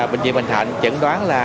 bệnh viện bình thạnh chứng đoán là